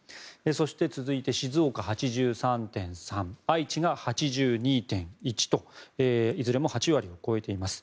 そして、続いて静岡、８３．３％愛知が８２．１％といずれも８割を超えています。